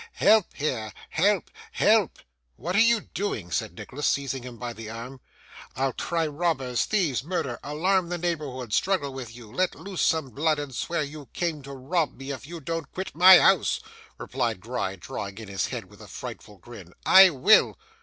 'Help here! Help! Help!' 'What are you doing?' said Nicholas, seizing him by the arm. 'I'll cry robbers, thieves, murder, alarm the neighbourhood, struggle with you, let loose some blood, and swear you came to rob me, if you don't quit my house,' replied Gride, drawing in his head with a frightful grin, 'I will!